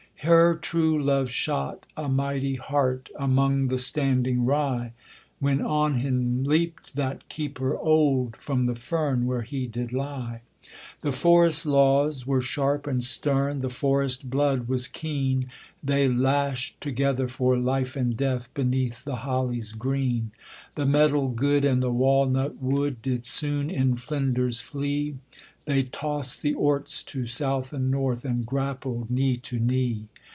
Her true love shot a mighty hart Among the standing rye, When on him leapt that keeper old From the fern where he did lie. The forest laws were sharp and stern, The forest blood was keen; They lashed together for life and death Beneath the hollies green. The metal good and the walnut wood Did soon in flinders flee; They tost the orts to south and north, And grappled knee to knee.